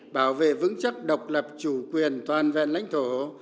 bảo vệ vững chắc độc lập chủ quyền toàn vẹn lãnh thổ